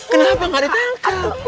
kenapa gak ditangkap